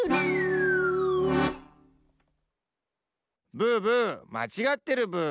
ブーブーまちがってるブー。